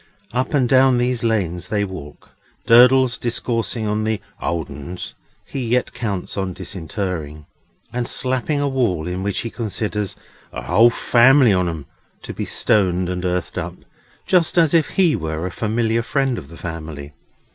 Up and down these lanes they walk, Durdles discoursing of the "old uns" he yet counts on disinterring, and slapping a wall, in which he considers "a whole family on 'em" to be stoned and earthed up, just as if he were a familiar friend of the family.